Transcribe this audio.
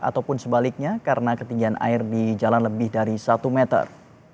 ataupun sebaliknya karena ketinggian air di jalan lebih dari satu meter